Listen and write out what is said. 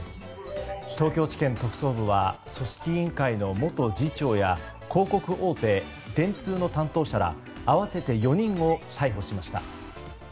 東京地検特捜部は組織委員会の元次長や広告大手電通の担当者ら合わせて４人を逮捕しました。